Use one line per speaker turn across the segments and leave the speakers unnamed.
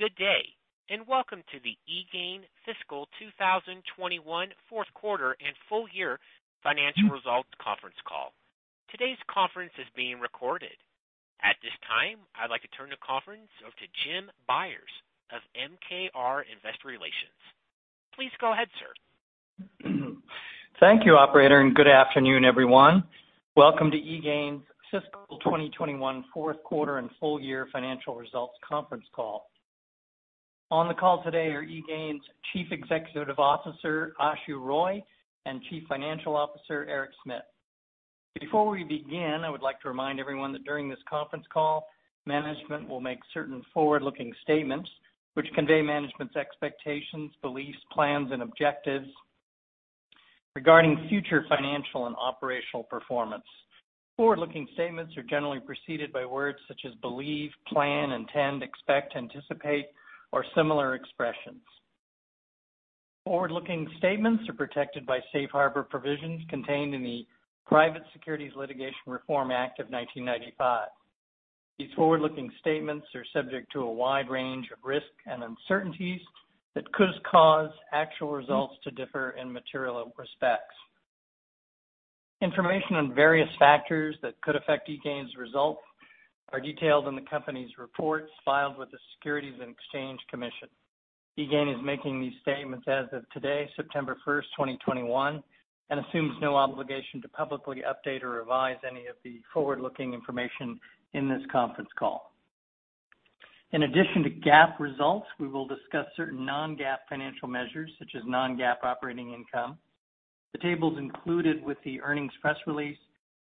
Good day, welcome to the eGain Fiscal 2021 Fourth Quarter and Full Year Financial Results Conference Call. Today's conference is being recorded. At this time, I'd like to turn the conference over to Jim Byers of MKR Investor Relations. Please go ahead, sir.
Thank you, operator, and good afternoon, everyone. Welcome to eGain's Fiscal 2021 Fourth Quarter and Full Year Financial Results Conference Call. On the call today are eGain's Chief Executive Officer, Ashu Roy, and Chief Financial Officer, Eric Smit. Before we begin, I would like to remind everyone that during this conference call, management will make certain forward-looking statements which convey management's expectations, beliefs, plans, and objectives regarding future financial and operational performance. Forward-looking statements are generally preceded by words such as "believe," "plan," "intend," "expect," "anticipate," or similar expressions. Forward-looking statements are protected by Safe Harbor provisions contained in the Private Securities Litigation Reform Act of 1995. These forward-looking statements are subject to a wide range of risks and uncertainties that could cause actual results to differ in material respects. Information on various factors that could affect eGain's results are detailed in the company's reports filed with the Securities and Exchange Commission. eGain is making these statements as of today, September 1st, 2021, and assumes no obligation to publicly update or revise any of the forward-looking information in this conference call. In addition to GAAP results, we will discuss certain non-GAAP financial measures, such as non-GAAP operating income. The tables included with the earnings press release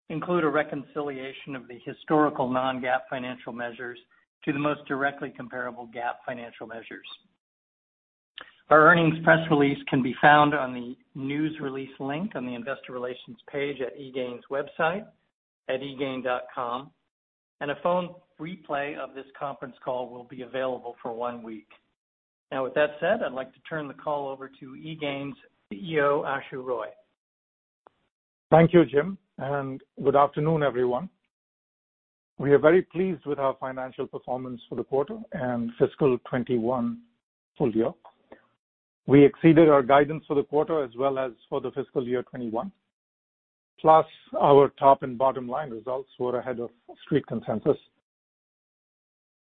include a reconciliation of the historical non-GAAP financial measures to the most directly comparable GAAP financial measures. Our earnings press release can be found on the news release link on the investor relations page at eGain's website at egain.com, and a phone replay of this conference call will be available for one week. Now, with that said, I'd like to turn the call over to eGain's CEO, Ashu Roy.
Thank you, Jim, and good afternoon, everyone. We are very pleased with our financial performance for the quarter and fiscal 2021 full year. We exceeded our guidance for the quarter as well as for the fiscal year 2021. Our top and bottom line results were ahead of Street consensus.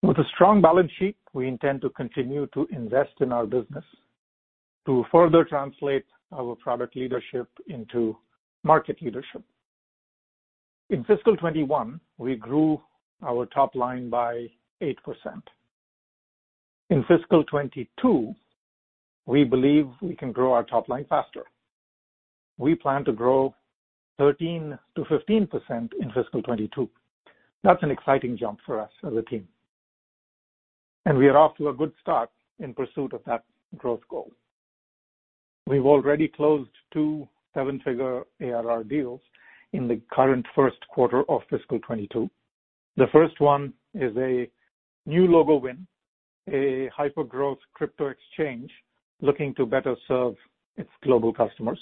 With a strong balance sheet, we intend to continue to invest in our business to further translate our product leadership into market leadership. In fiscal 2021, we grew our top line by 8%. In fiscal 2022, we believe we can grow our top line faster. We plan to grow 13%-15% in fiscal 2022. That's an exciting jump for us as a team, and we are off to a good start in pursuit of that growth goal. We've already closed two, seven-figure ARR deals in the current first quarter of fiscal 2022. The first one is a new logo win, a hypergrowth crypto exchange looking to better serve its global customers.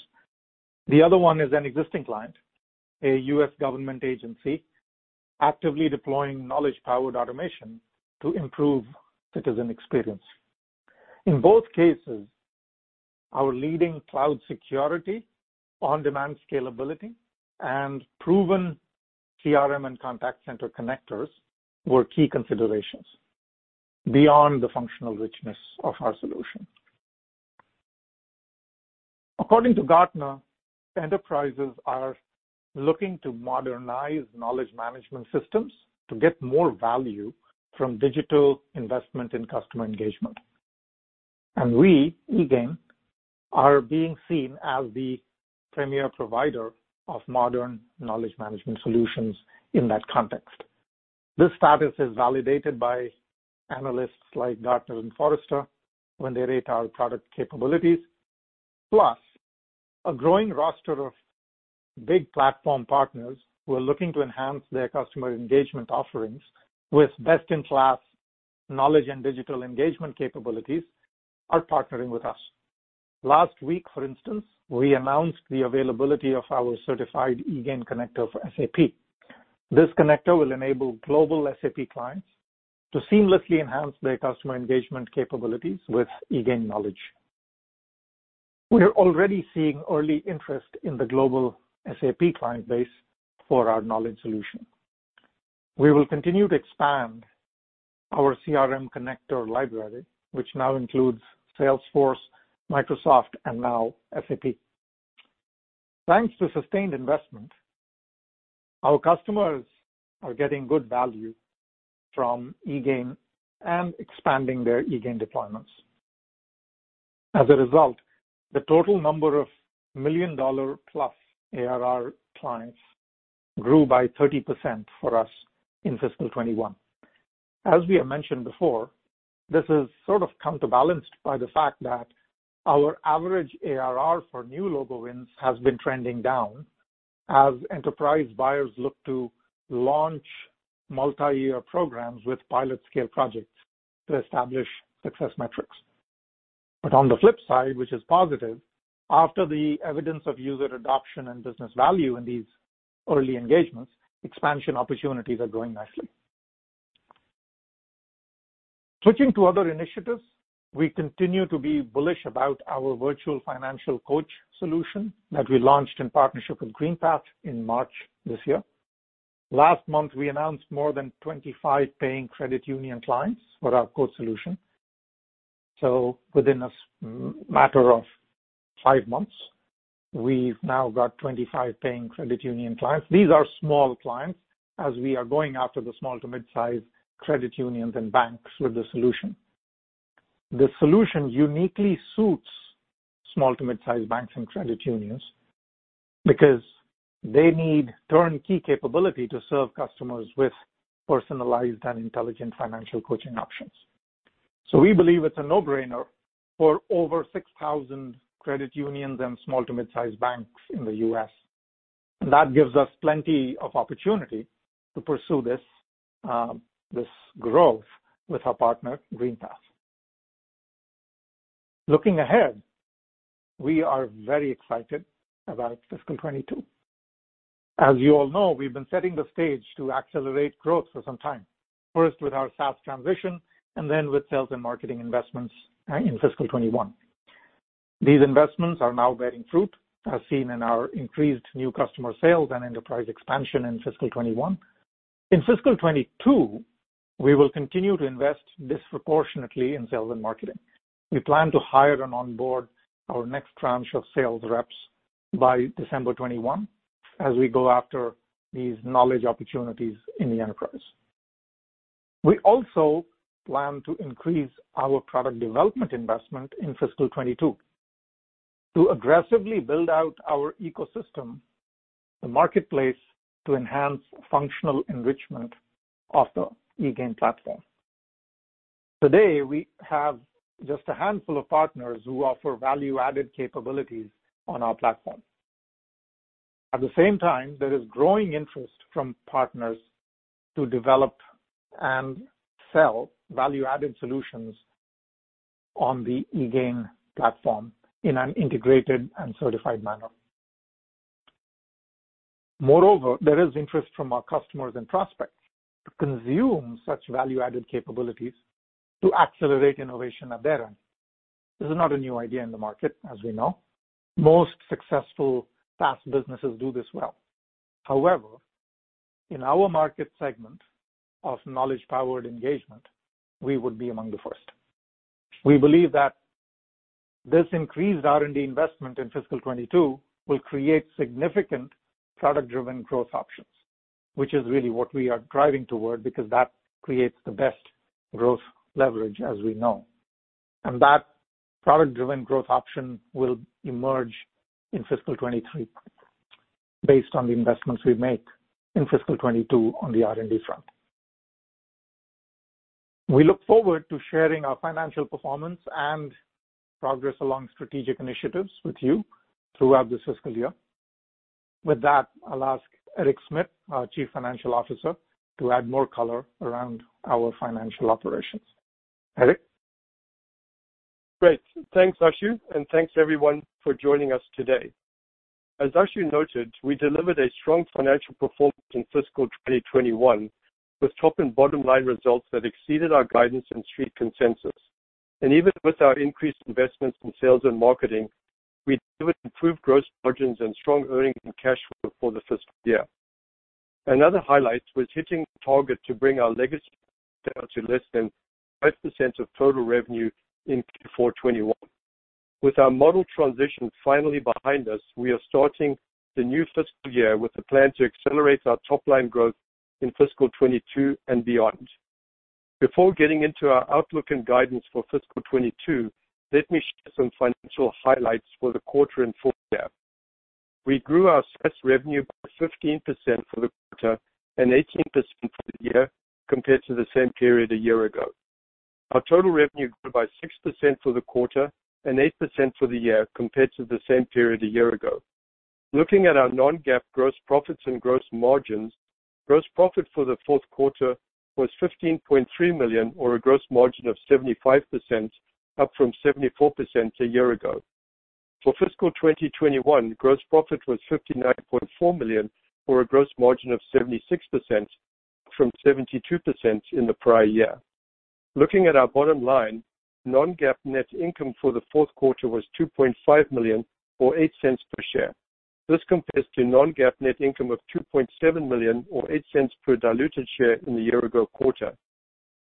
The other one is an existing client, a U.S. government agency actively deploying knowledge-powered automation to improve citizen experience. In both cases, our leading cloud security, on-demand scalability, and proven CRM and contact center connectors were key considerations beyond the functional richness of our solution. According to Gartner, enterprises are looking to modernize knowledge management systems to get more value from digital investment in customer engagement. We, eGain, are being seen as the premier provider of modern knowledge management solutions in that context. This status is validated by analysts like Gartner and Forrester when they rate our product capabilities. Plus, a growing roster of big platform partners who are looking to enhance their customer engagement offerings with best-in-class knowledge and digital engagement capabilities are partnering with us. Last week, for instance, we announced the availability of our certified eGain connector for SAP. This connector will enable global SAP clients to seamlessly enhance their customer engagement capabilities with eGain Knowledge. We are already seeing early interest in the global SAP client base for our knowledge solution. We will continue to expand our CRM connector library, which now includes Salesforce, Microsoft, and now SAP. Thanks to sustained investment, our customers are getting good value from eGain and expanding their eGain deployments. As a result, the total number of $1 million plus ARR clients grew by 30% for us in fiscal 2021. As we have mentioned before, this is sort of counterbalanced by the fact that our average ARR for new logo wins has been trending down as enterprise buyers look to launch multi-year programs with pilot scale projects to establish success metrics. On the flip side, which is positive, after the evidence of user adoption and business value in these early engagements, expansion opportunities are going nicely. Switching to other initiatives, we continue to be bullish about our Virtual Financial Coach Solution that we launched in partnership with GreenPath in March this year. Last month, we announced more than 25 paying credit union clients for our Coach Solution. Within a matter of five months, we've now got 25 paying credit union clients. These are small clients, as we are going after the small to mid-size credit unions and banks with the solution. The solution uniquely suits small to mid-size banks and credit unions because they need turnkey capability to serve customers with personalized and intelligent financial coaching options. We believe it's a no-brainer for over 6,000 credit unions and small to mid-size banks in the U.S. That gives us plenty of opportunity to pursue this growth with our partner, GreenPath. Looking ahead, we are very excited about fiscal 2022. As you all know, we've been setting the stage to accelerate growth for some time. First with our SaaS transition, and then with sales and marketing investments in fiscal 2021. These investments are now bearing fruit, as seen in our increased new customer sales and enterprise expansion in fiscal 2021. In fiscal 2022, we will continue to invest disproportionately in sales and marketing. We plan to hire and onboard our next tranche of sales reps by December 2021, as we go after these knowledge opportunities in the enterprise. We also plan to increase our product development investment in fiscal 2022 to aggressively build out our ecosystem, the marketplace, to enhance functional enrichment of the eGain platform. Today, we have just a handful of partners who offer value-added capabilities on our platform. At the same time, there is growing interest from partners to develop and sell value-added solutions on the eGain platform in an integrated and certified manner. Moreover, there is interest from our customers and prospects to consume such value-added capabilities to accelerate innovation at their end. This is not a new idea in the market, as we know. Most successful SaaS businesses do this well. However, in our market segment of knowledge-powered engagement, we would be among the first. We believe that this increased R&D investment in fiscal 2022 will create significant product-driven growth options, which is really what we are driving toward because that creates the best growth leverage as we know. That product-driven growth option will emerge in fiscal 2023 based on the investments we make in fiscal 2022 on the R&D front. We look forward to sharing our financial performance and progress along strategic initiatives with you throughout this fiscal year. With that, I'll ask Eric Smit, our Chief Financial Officer, to add more color around our financial operations. Eric?
Great. Thanks, Ashu, and thanks, everyone, for joining us today. As Ashu noted, we delivered a strong financial performance in fiscal 2021 with top and bottom-line results that exceeded our guidance and Street consensus. Even with our increased investments in sales and marketing, we delivered improved gross margins and strong earnings and cash flow for the fiscal year. Another highlight was hitting the target to bring our legacy sales to less than 5% of total revenue in Q4 2021. With our model transition finally behind us, we are starting the new fiscal year with a plan to accelerate our top-line growth in fiscal 2022 and beyond. Before getting into our outlook and guidance for fiscal 2022, let me share some financial highlights for the quarter and full year. We grew our SaaS revenue by 15% for the quarter and 18% for the year compared to the same period a year ago. Our total revenue grew by 6% for the quarter and 8% for the year compared to the same period a year ago. Looking at our non-GAAP gross profits and gross margins, gross profit for the fourth quarter was $15.3 million or a gross margin of 75%, up from 74% a year ago. For fiscal 2021, gross profit was $59.4 million or a gross margin of 76%, up from 72% in the prior year. Looking at our bottom line, non-GAAP net income for the fourth quarter was $2.5 million or $0.08 per share. This compares to non-GAAP net income of $2.7 million or $0.08 per diluted share in the year-ago quarter.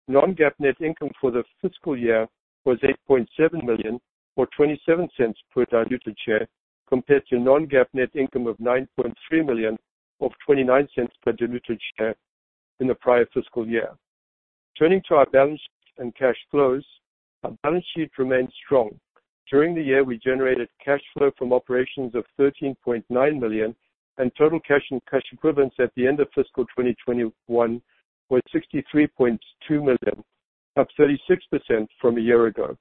Non-GAAP net income for the fiscal year was $8.7 million or $0.27 per diluted share compared to non-GAAP net income of $9.3 million or $0.29 per diluted share in the prior fiscal year. Turning to our balance sheet and cash flows, our balance sheet remains strong. During the year, we generated cash flow from operations of $13.9 million, and total cash and cash equivalents at the end of fiscal 2021 were $63.2 million, up 36% from a year ago.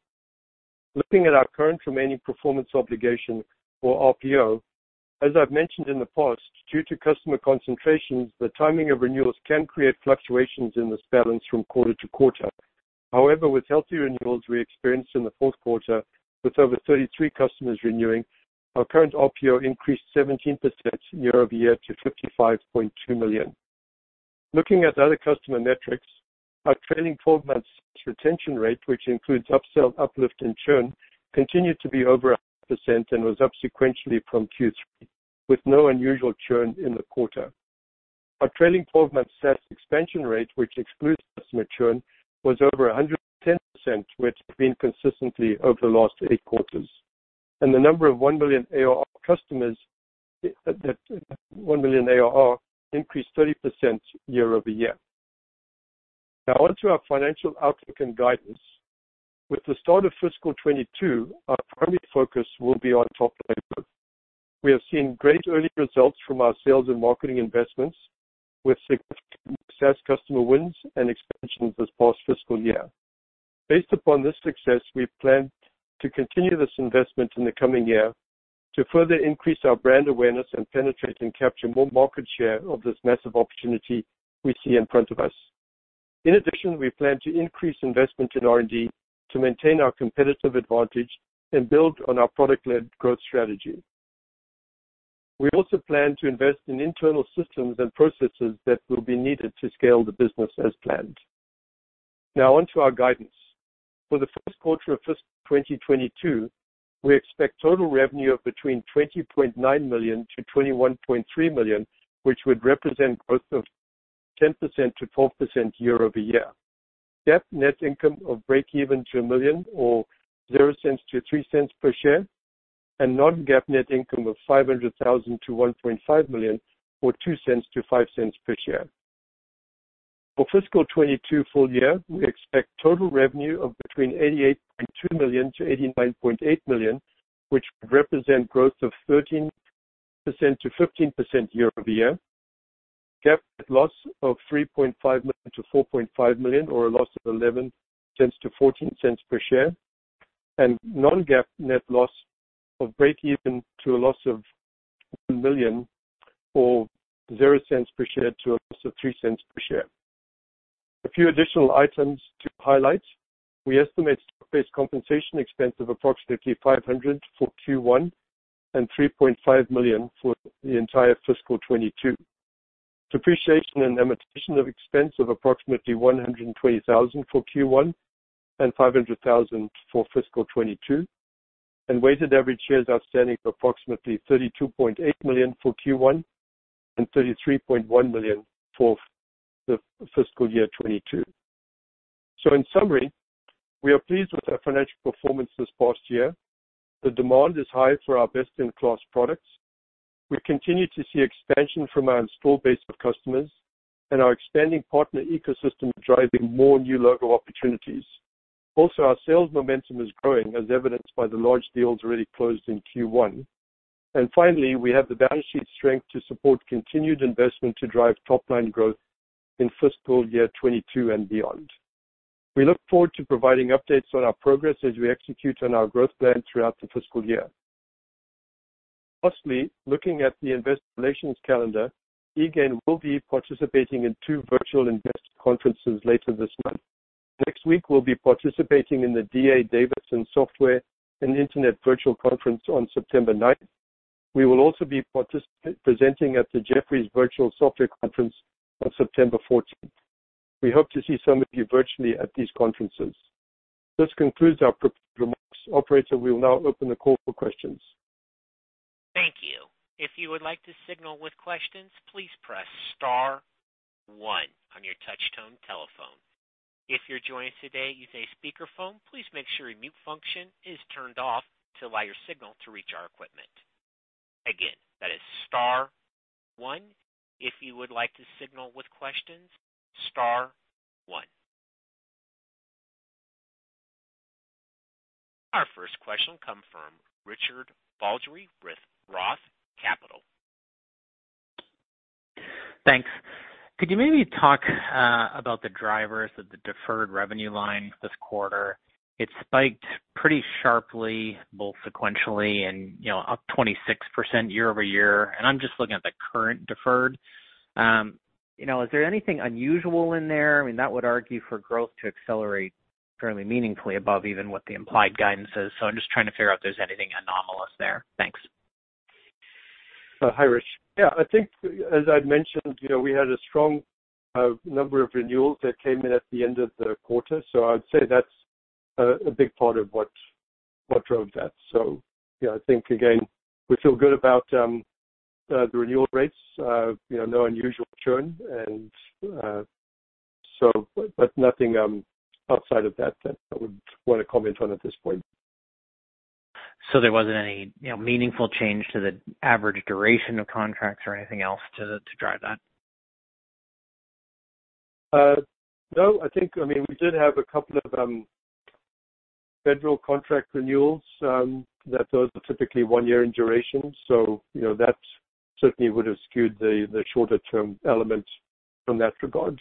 Looking at our current remaining performance obligation or RPO as I've mentioned in the past, due to customer concentrations, the timing of renewals can create fluctuations in this balance from quarter to quarter. However, with healthy renewals we experienced in the fourth quarter, with over 33 customers renewing, our current RPO increased 17% year-over-year to $55.2 million. Looking at other customer metrics, our trailing 12 months retention rate, which includes upsell, uplift, and churn, continued to be over 100% and was up sequentially from Q3, with no unusual churn in the quarter. Our trailing 12 months SaaS expansion rate, which excludes customer churn, was over 110%, which it's been consistently over the last eight quarters. The number of $1 million ARR increased 30% year-over-year. On to our financial outlook and guidance. With the start of fiscal 2022, our primary focus will be on top line growth. We have seen great early results from our sales and marketing investments, with significant SaaS customer wins and expansions this past fiscal year. Based upon this success, we plan to continue this investment in the coming year to further increase our brand awareness and penetrate and capture more market share of this massive opportunity we see in front of us. In addition, we plan to increase investment in R&D to maintain our competitive advantage and build on our product-led growth strategy. We also plan to invest in internal systems and processes that will be needed to scale the business as planned. On to our guidance. For the first quarter of fiscal 2022, we expect total revenue of between $20.9 million-$21.3 million, which would represent growth of 10%-12% year-over-year. GAAP net income of breakeven to $1 million or zero cent to $0.03 per share, and non-GAAP net income of $500,000-$1.5 million, or $0.02 to $0.05 per share. For fiscal 2022 full year, we expect total revenue of between $88.2 million-$89.8 million, which would represent growth of 13%-15% year-over-year. GAAP net loss of $3.5 million-$4.5 million or a loss of $0.11-$0.14 per share, non-GAAP net loss of breakeven to a loss of $1 million or zero cent per share to $0.03 per share. A few additional items to highlight. We estimate stock-based compensation expense of approximately $500 for Q1 and $3.5 million for the entire fiscal 2022. Depreciation and amortization of expense of approximately $120,000 for Q1 and $500,000 for fiscal 2022. Weighted average shares outstanding of approximately $32.8 million for Q1 and $33.1 million for the fiscal year 2022. In summary, we are pleased with our financial performance this past year. The demand is high for our best-in-class products. We continue to see expansion from our installed base of customers and our expanding partner ecosystem driving more new logo opportunities. Also, our sales momentum is growing, as evidenced by the large deals already closed in Q1. Finally, we have the balance sheet strength to support continued investment to drive top-line growth in fiscal year 2022 and beyond. We look forward to providing updates on our progress as we execute on our growth plan throughout the fiscal year. Lastly, looking at the investor relations calendar, eGain will be participating in two virtual investor conferences later this month. Next week, we'll be participating in the D.A. Davidson Software and Internet Virtual Conference on September 9th. We will also be presenting at the Jefferies Virtual Software Conference on September 14th. We hope to see some of you virtually at these conferences. This concludes our prepared remarks. Operator, we will now open the call for questions.
Thank you. If you would like to signal with questions, please press star one on your touch tone telephone. If you're joining today using a speakerphone, please make sure your mute function is turned off to allow your signal to reach our equipment. Again, that is star one if you would like to signal with questions, star one. Our first question come from Richard Baldry with Roth Capital.
Thanks. Could you maybe talk about the drivers of the deferred revenue line this quarter? It spiked pretty sharply, both sequentially and up 26% year-over-year, and I'm just looking at the current deferred. Is there anything unusual in there? That would argue for growth to accelerate fairly meaningfully above even what the implied guidance is. I'm just trying to figure out if there's anything anomalous there. Thanks.
Hi, Rich. Yeah, I think as I mentioned, we had a strong number of renewals that came in at the end of the quarter. I would say that's a big part of what drove that. Yeah, I think again, we feel good about the renewal rates. No unusual churn and so but nothing outside of that I would want to comment on at this point.
There wasn't any meaningful change to the average duration of contracts or anything else to drive that?
No. I think we did have a couple of federal contract renewals. Those are typically one year in duration. That certainly would have skewed the shorter term element from that regard.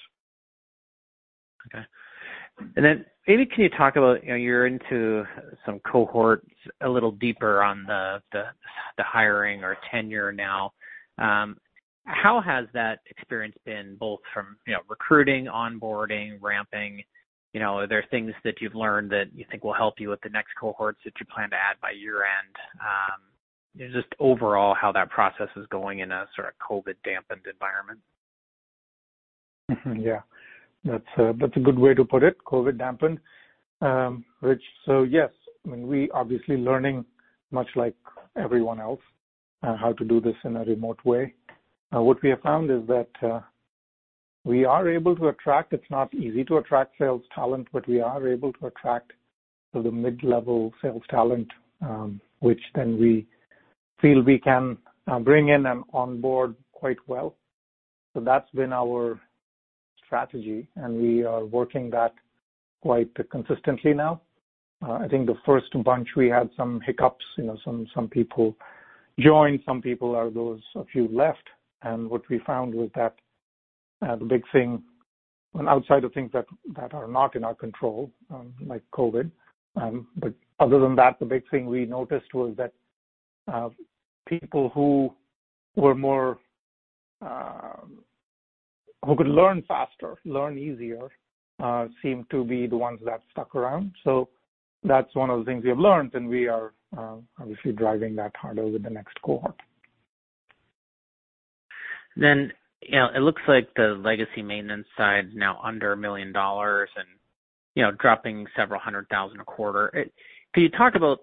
Maybe can you talk about, you're into some cohorts a little deeper on the hiring or tenure now. How has that experience been, both from recruiting, onboarding, ramping? Are there things that you've learned that you think will help you with the next cohorts that you plan to add by year-end? Overall, how that process is going in a sort of COVID dampened environment?
Yeah. That's a good way to put it, COVID dampened. Yes, we obviously learning much like everyone else on how to do this in a remote way. What we have found is that we are able to attract, it's not easy to attract sales talent, but we are able to attract the mid-level sales talent, which then we feel we can bring in and onboard quite well. That's been our strategy, and we are working that quite consistently now. I think the first bunch, we had some hiccups, some people joined, some people, or there was a few left. What we found was that the big thing, and outside of things that are not in our control, like COVID, but other than that, the big thing we noticed was that people who could learn faster, learn easier, seem to be the ones that stuck around. That's one of the things we have learned, and we are obviously driving that harder with the next cohort.
It looks like the legacy maintenance side now under $1 million and dropping several $100,000 a quarter. Can you talk about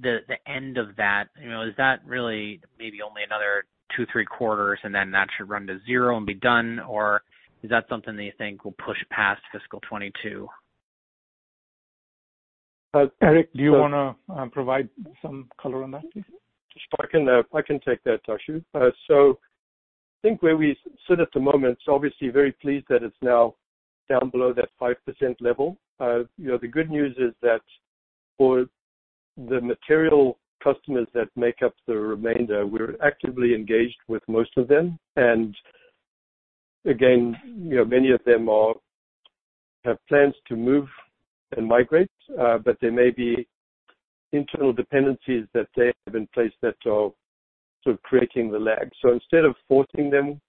the end of that? Is that really maybe only another 2, 3 quarters and then that should run to zero and be done? Or is that something that you think will push past fiscal 2022?
Eric, do you want to provide some color on that, please?
Sure. I can take that, Ashu. I think where we sit at the moment, obviously very pleased that it's now down below that 5% level. The good news is that for the material customers that make up the remainder, we're actively engaged with most of them. Again, many of them have plans to move and migrate, but there may be internal dependencies that they have in place that are sort of creating the lag. Instead of forcing them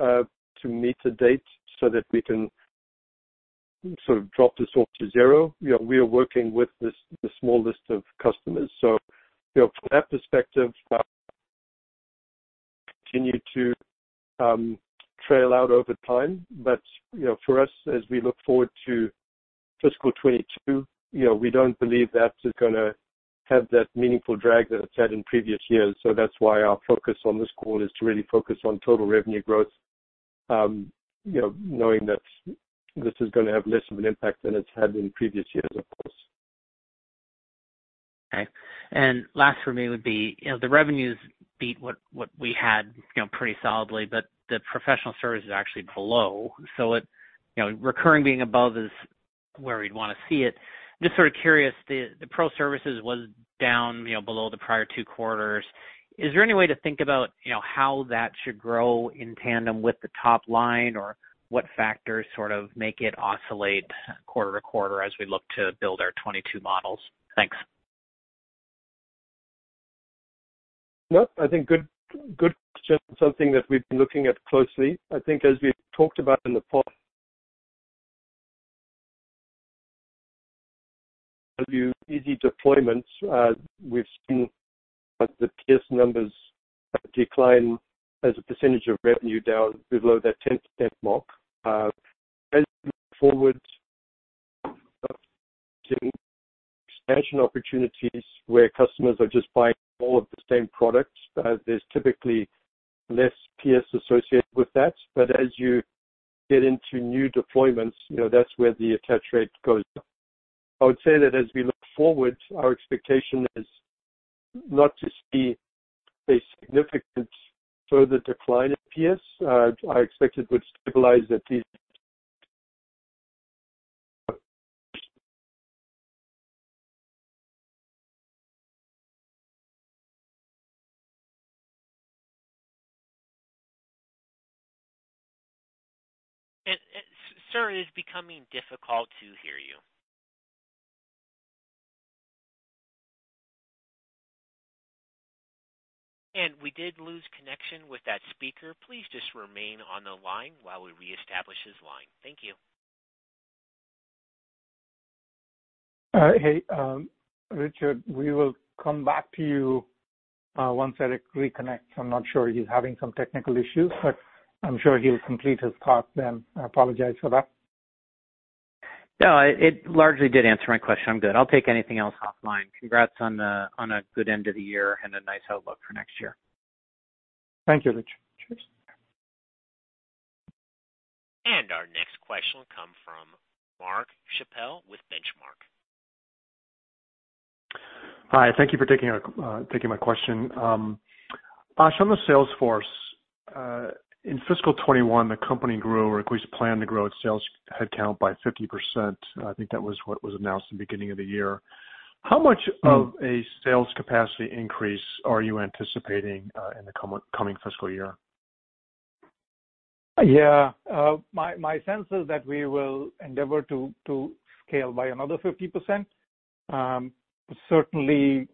to meet a date so that we can sort of drop this off to zero, we are working with the small list of customers. From that perspective, continue to trail out over time. For us, as we look forward to fiscal 2022, we don't believe that is going to have that meaningful drag that it's had in previous years. That's why our focus on this call is to really focus on total revenue growth, knowing that this is going to have less of an impact than it's had in previous years, of course.
Okay. Last for me would be, the revenues beat what we had pretty solidly, but the professional services is actually below. Recurring being above is where we'd want to see it. Just sort of curious, the pro services was down below the prior two quarters. Is there any way to think about how that should grow in tandem with the top line, or what factors sort of make it oscillate quarter to quarter as we look to build our 2022 models? Thanks.
No, I think good question. Something that we've been looking at closely. I think as we've talked about in the past, easy deployments, we've seen the PS numbers decline as a percentage of revenue down below that 10% mark. We look forward to expansion opportunities where customers are just buying more of the same product, there's typically less PS associated with that. As you get into new deployments, that's where the attach rate goes up. I would say that as we look forward, our expectation is not to see a significant further decline in PS. I expect to stabilize the-
Sir, it is becoming difficult to hear you. We did lose connection with that speaker. Please just remain on the line while we reestablish his line. Thank you.
Hey, Richard, we will come back to you once Eric reconnects. I'm not sure, he's having some technical issues, but I'm sure he'll complete his thought then. I apologize for that.
No, it largely did answer my question. I'm good. I'll take anything else offline. Congrats on a good end of the year and a nice outlook for next year.
Thank you, Richard. Cheers.
Our next question will come from Mark Schappel with The Benchmark Company.
Hi, thank you for taking my question. Ash, on the sales force, in fiscal 2021, the company grew, or at least planned to grow its sales headcount by 50%. I think that was what was announced in the beginning of the year. How much of a sales capacity increase are you anticipating in the coming fiscal year?
Yeah. My sense is that we will endeavor to scale by another 50%. Certainly,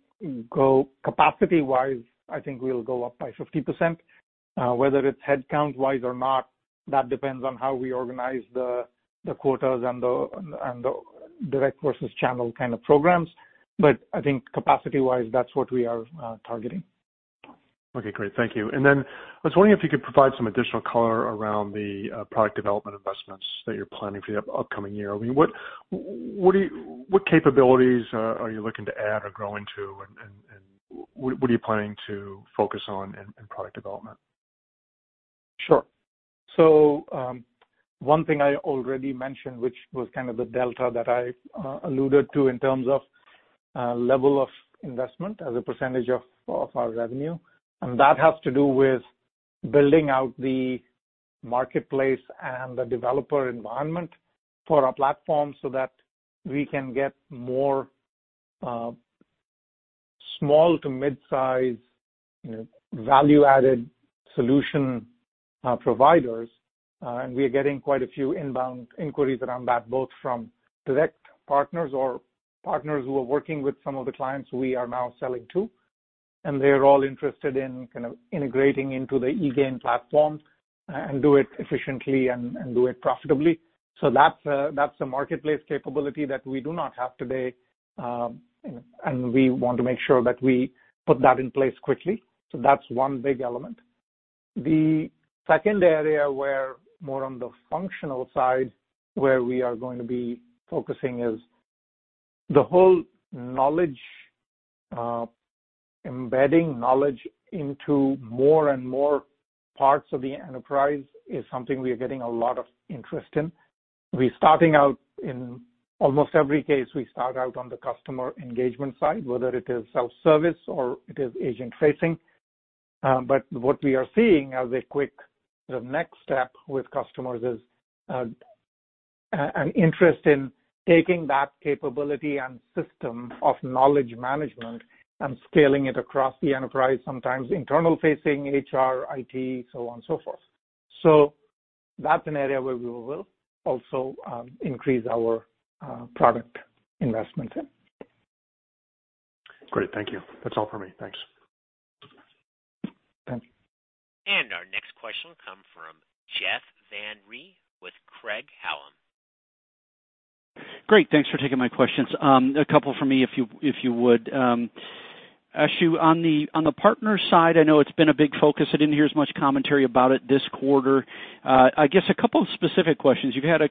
capacity-wise, I think we'll go up by 50%. Whether it's headcount-wise or not, that depends on how we organize the quotas and the direct versus channel kind of programs. I think capacity-wise, that's what we are targeting.
Okay, great. Thank you. I was wondering if you could provide some additional color around the product development investments that you're planning for the upcoming year. What capabilities are you looking to add or grow into, and what are you planning to focus on in product development?
Sure. One thing I already mentioned, which was kind of the delta that I alluded to in terms of level of investment as a percentage of our revenue. That has to do with building out the marketplace and the developer environment for our platform so that we can get more small to mid-size value-added solution providers. We are getting quite a few inbound inquiries around that, both from direct partners or partners who are working with some of the clients we are now selling to. They are all interested in integrating into the eGain platform and do it efficiently and do it profitably. That's a marketplace capability that we do not have today. We want to make sure that we put that in place quickly. That's one big element. The second area where more on the functional side where we are going to be focusing is the whole knowledge. Embedding knowledge into more and more parts of the enterprise is something we are getting a lot of interest in. We're starting out in almost every case, we start out on the customer engagement side, whether it is self-service or it is agent-facing. What we are seeing as a quick next step with customers is an interest in taking that capability and system of knowledge management and scaling it across the enterprise, sometimes internal facing HR, IT, so on and so forth. That's an area where we will also increase our product investment in.
Great. Thank you. That's all for me. Thanks.
Okay.
Our next question come from Jeff Van Rhee with Craig-Hallum.
Great. Thanks for taking my questions. A couple from me, if you would. Ashu, on the partners side, I know it's been a big focus. I didn't hear as much commentary about it this quarter. I guess a couple of specific questions. You've had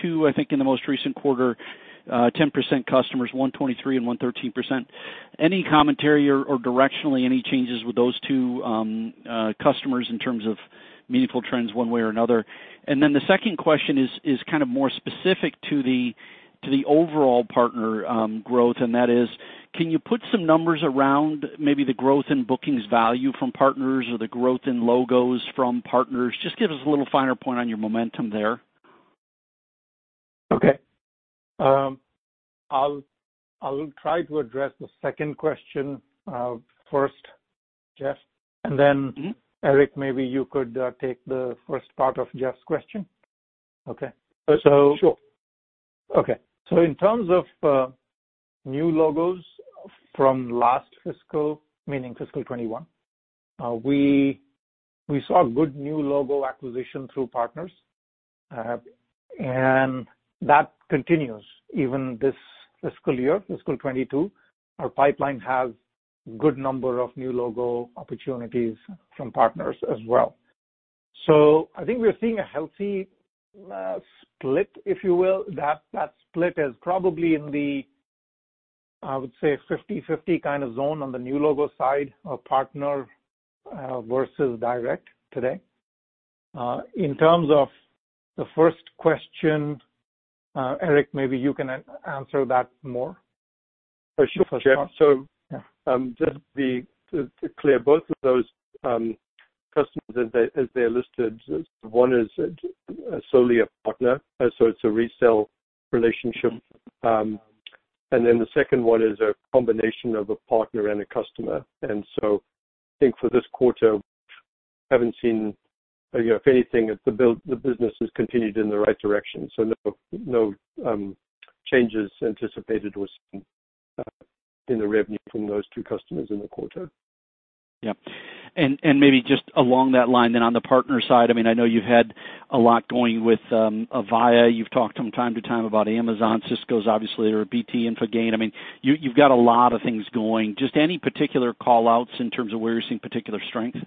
two, I think, in the most recent quarter, 10% customers, 123% and 113%. Any commentary or directionally, any changes with those two customers in terms of meaningful trends one way or another? The second question is kind of more specific to the overall partner growth, and that is, can you put some numbers around maybe the growth in bookings value from partners or the growth in logos from partners? Just give us a little finer point on your momentum there.
Okay. I'll try to address the second question first, Jeff. Then Eric, maybe you could take the first part of Jeff's question. Okay.
Sure.
Okay. In terms of new logos from last fiscal, meaning fiscal 2021, we saw good new logo acquisition through partners. That continues even this fiscal year, fiscal 2022. Our pipeline has good number of new logo opportunities from partners as well. I think we're seeing a healthy split, if you will. That split is probably in the, I would say, 50/50 kind of zone on the new logo side of partner versus direct today. In terms of the first question, Eric, maybe you can answer that more.
For sure, Jeff. Just to be clear, both of those customers, as they are listed, one is solely a partner, so it's a resale relationship. Then the second one is a combination of a partner and a customer. I think for this quarter, I haven't seen, if anything, the business has continued in the right direction, so no changes anticipated or seen in the revenue from those two customers in the quarter.
Yep. Maybe just along that line then on the partner side, I know you've had a lot going with Avaya. You've talked from time to time about Amazon. Cisco obviously, or BT, Infogain. You've got a lot of things going. Just any particular call-outs in terms of where you're seeing particular strength?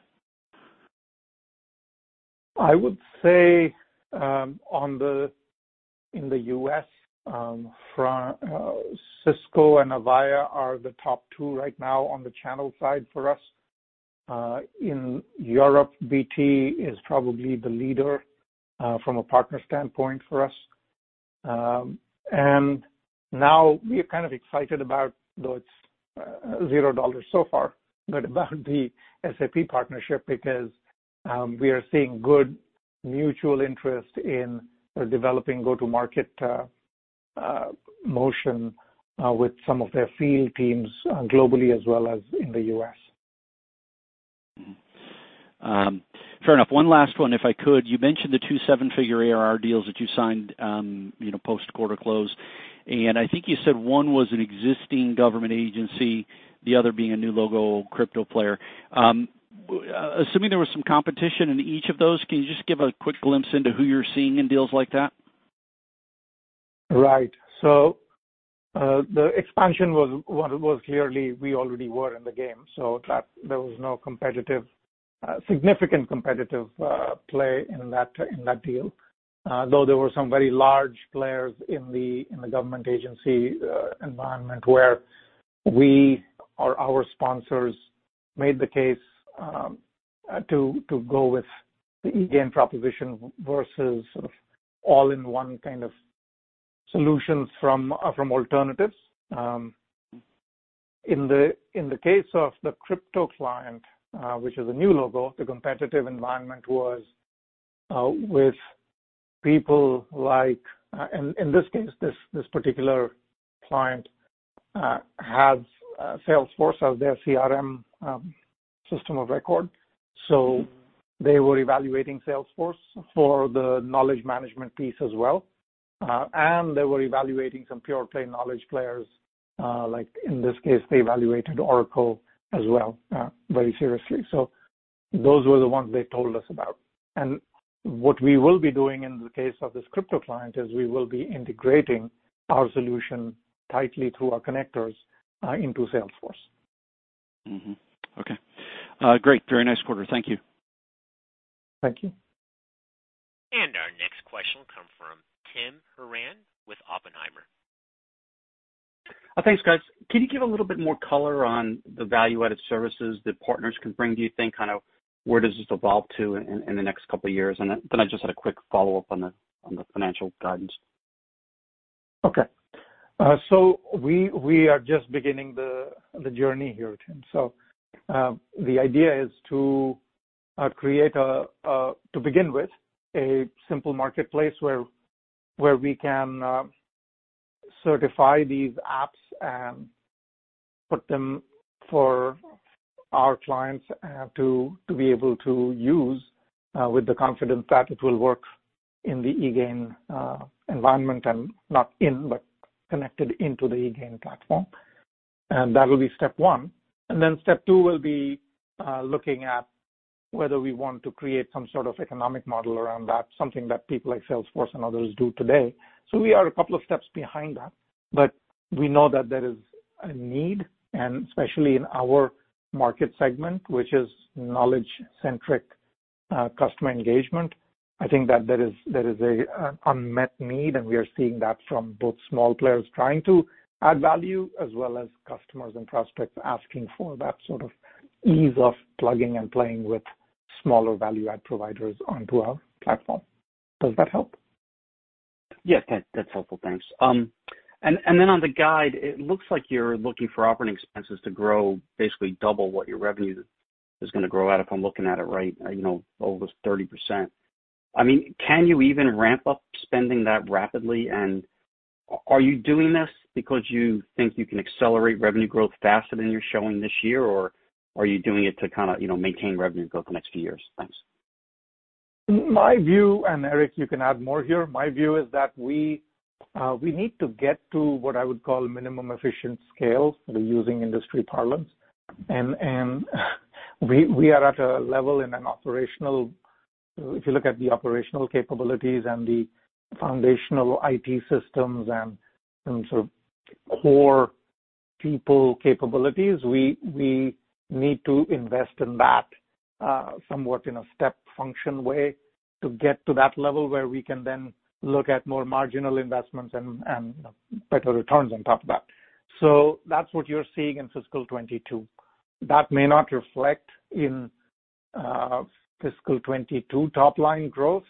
I would say in the U.S., Cisco and Avaya are the top two right now on the channel side for us. In Europe, BT is probably the leader from a partner standpoint for us. Now we're kind of excited about, though it's zero dollar so far, but about the SAP partnership because we are seeing good mutual interest in developing go-to-market motion with some of their field teams globally as well as in the U.S.
Fair enough. one last one, if I could. You mentioned the two, seven-figure ARR deals that you signed post quarter close, and I think you said one was an existing government agency, the other being a new logo crypto player. Assuming there was some competition in each of those, can you just give a quick glimpse into who you're seeing in deals like that?
Right. The expansion was clearly we already were in the game, so there was no significant competitive play in that deal. There were some very large players in the government agency environment where we or our sponsors made the case to go with the eGain proposition versus all-in-one kind of solutions from alternatives. In the case of the crypto client, which is a new logo, the competitive environment was with people like In this case, this particular client has Salesforce as their CRM system of record. They were evaluating Salesforce for the knowledge management piece as well, and they were evaluating some pure-play knowledge players. In this case, they evaluated Oracle as well, very seriously. Those were the ones they told us about. What we will be doing in the case of this crypto client is we will be integrating our solution tightly through our connectors, into Salesforce.
Okay. Great. Very nice quarter. Thank you.
Thank you.
Our next question will come from Tim Horan with Oppenheimer.
Thanks, guys. Can you give a little bit more color on the value-added services that partners can bring? Do you think kind of where does this evolve to in the next two years? I just had a quick follow-up on the financial guidance.
Okay. We are just beginning the journey here, Tim. The idea is to begin with a simple marketplace where we can certify these apps and put them for our clients to be able to use with the confidence that it will work in the eGain environment and not in, but connected into the eGain platform. That will be step one. Then step two will be looking at whether we want to create some sort of economic model around that, something that people like Salesforce and others do today. We are a couple of steps behind that. We know that there is a need, and especially in our market segment, which is knowledge-centric customer engagement. I think that there is a unmet need, and we are seeing that from both small players trying to add value, as well as customers and prospects asking for that sort of ease of plugging and playing with smaller value-add providers onto our platform. Does that help?
Yes, that's helpful. Thanks. On the guide, it looks like you're looking for operating expenses to grow basically double what your revenue is going to grow at, if I'm looking at it right, almost 30%. Can you even ramp up spending that rapidly? Are you doing this because you think you can accelerate revenue growth faster than you're showing this year, or are you doing it to maintain revenue growth the next few years? Thanks.
My view, and Eric, you can add more here. My view is that we need to get to what I would call minimum efficient scale, using industry parlance. We are at a level. If you look at the operational capabilities and the foundational IT systems and sort of core people capabilities, we need to invest in that, somewhat in a step function way to get to that level where we can then look at more marginal investments and better returns on top of that. That's what you're seeing in fiscal 2022. That may not reflect in fiscal 2022 top-line growth,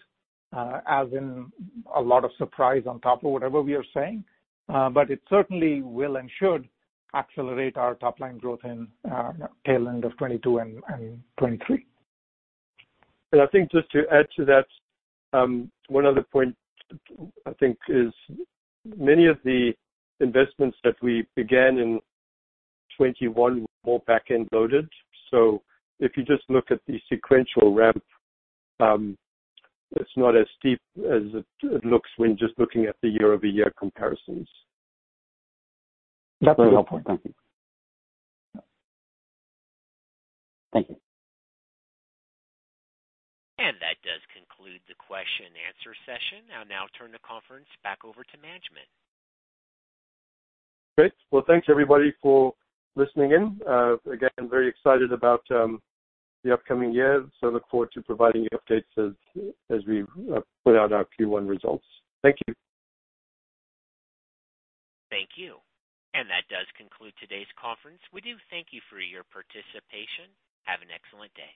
as in a lot of surprise on top of whatever we are saying. It certainly will and should accelerate our top-line growth in tail end of 2022 and 2023.
I think just to add to that, one other point I think is many of the investments that we began in 2021 were more back-end loaded. If you just look at the sequential ramp, it's not as steep as it looks when just looking at the year-over-year comparisons.
That's very helpful. Thank you. Thank you.
That does conclude the question and answer session. I'll now turn the conference back over to management.
Great. Well, thanks everybody for listening in. Again, very excited about the upcoming year. Look forward to providing you updates as we put out our Q1 results. Thank you.
Thank you. That does conclude today's conference. We do thank you for your participation. Have an excellent day.